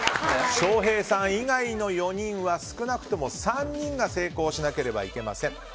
翔平さん以外の４人は少なくとも３人が成功しなければいけません。